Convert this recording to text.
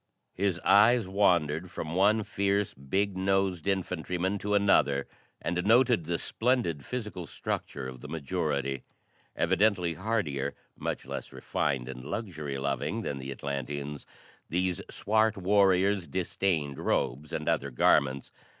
His eyes wandered from one fierce, big nosed infantryman to another and noted the splendid physical structure of the majority. Evidently hardier, much less refined and luxury loving than the Atlanteans, these swart warriors disdained robes and other garments.